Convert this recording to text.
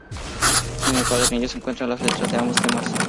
En el cuadernillo se encuentran las letras de ambos temas.